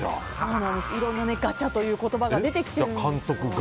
いろんなガチャという言葉が出てきているんですが。